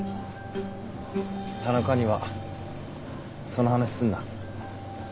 田中にはその話すんな。